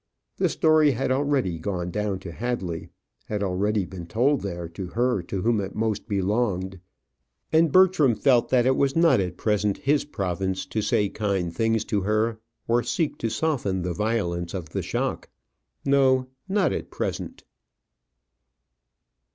The story had already gone down to Hadley had already been told there to her to whom it most belonged; and Bertram felt that it was not at present his province to say kind things to her, or seek to soften the violence of the shock. No, not at present.